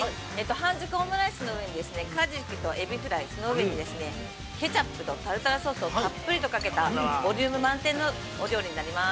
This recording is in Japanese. ◆半熟オムライスの上にカジキとエビフライその上にケチャップとタルタルソースをたっぷりかけたボリューム満点のお料理になります。